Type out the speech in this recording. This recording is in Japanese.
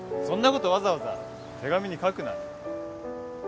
そんなことわざわざ手紙に書くなよ。